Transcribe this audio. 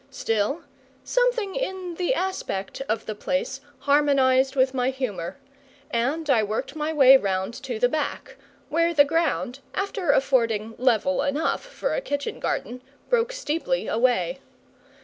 Still, something in the aspect of the place harmonised with my humour, and I worked my way round to the back, where the ground, after affording level enough for a kitchen garden, broke steeply away.